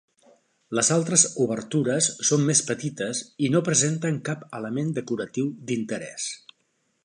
Les altres obertures són més petites i no presenten cap element decoratiu d'interès.